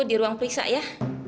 di ruang periksa ya